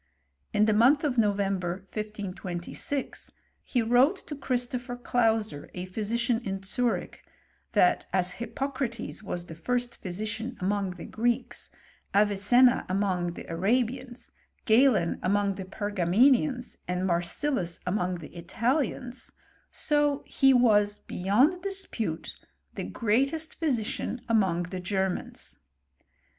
In the month of November^; 1^26, he wrote to Christopher Clauser, a physician M ; CHEMISTRY OF PARACELSUS. 145 Zurich^ that as Hippocrates was the first physician tttacmg the Greeks, Avicenna among the Arabians, 6$len among the Pergamenians, and Marsilius among die Italians, so he was beyond dispute the greatest physician among the Germans.